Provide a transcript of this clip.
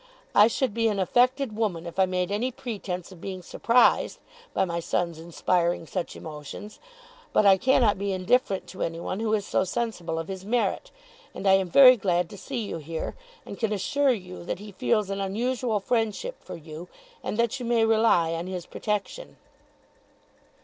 I should be an affected woman if I made any pretence of being surprised by my son's inspiring such emotions; but I cannot be indifferent to anyone who is so sensible of his merit, and I am very glad to see you here, and can assure you that he feels an unusual friendship for you, and that you may rely on his protection.